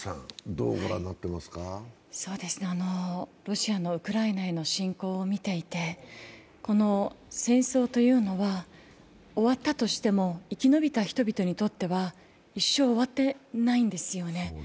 ロシアのウクライナへの侵攻を見ていて、戦争というのは終わったとしても、生き延びた人々にとっては一生終わってないんですよね。